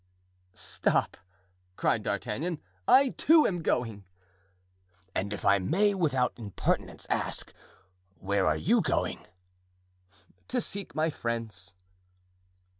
"Stop," cried D'Artagnan; "I, too, am going." "And if I may without impertinence ask—where are you going?" "To seek my friends."